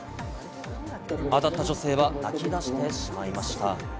当たった女性は泣き出してしまいました。